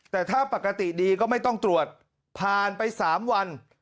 แต่ถ้าปกติดีก็ไม่ต้องตรวจผ่านไป๓วัน